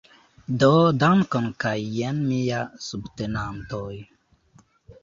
Do dankon kaj jen mia subtenantoj